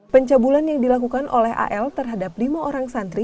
pencabulan yang dilakukan oleh al terhadap lima orang santri